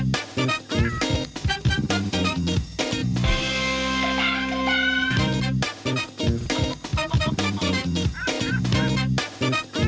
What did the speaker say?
สวัสดีครับ